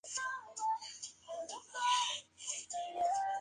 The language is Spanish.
Clair en la isla de Tasmania.